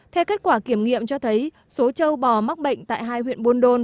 theo kết quả kiểm nghiệm cho thấy số châu bò mắc bệnh tại hai huyện buôn đôn